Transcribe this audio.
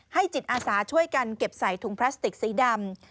จิตอาสาช่วยกันเก็บใส่ถุงพลาสติกสีดำ